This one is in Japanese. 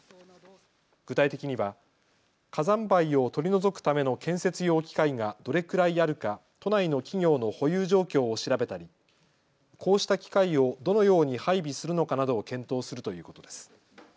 具体的には火山灰を取り除くための建設用機械がどれくらいあるか都内の企業の保有状況を調べたりこうした機械をどのように配備するのかなどを検討するということです。